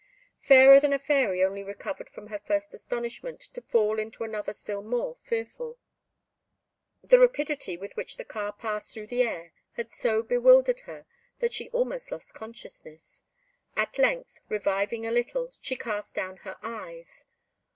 Fairer than a Fairy only recovered from her first astonishment to fall into another still more fearful; the rapidity with which the car passed through the air had so bewildered her that she almost lost consciousness; at length, reviving a little, she cast down her eyes.